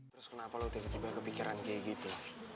terus kenapa lo tiba tiba kepikiran kayak gitu